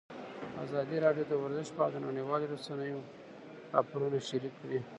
ازادي راډیو د ورزش په اړه د نړیوالو رسنیو راپورونه شریک کړي.